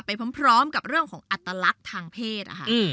ไปพร้อมกับเรื่องของอัตลักษณ์ทางเพศ